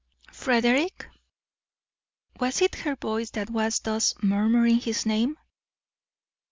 "Frederick?" Was it her voice that was thus murmuring his name?